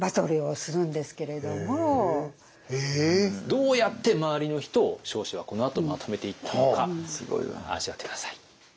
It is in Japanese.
どうやって周りの人を彰子はこのあとまとめていったのか味わって下さい。